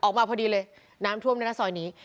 น้ำถ้วงในซอยนี้